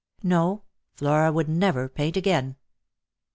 No, Flora would never paint again.